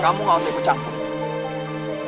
kamu ga usah bercakap